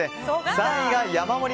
３位が山盛り！！